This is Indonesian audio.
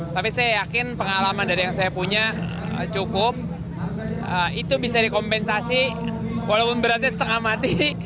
tapi saya yakin pengalaman dari yang saya punya cukup itu bisa dikompensasi walaupun beratnya setengah mati